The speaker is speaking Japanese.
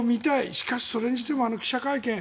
しかしそれにしてもあの記者会見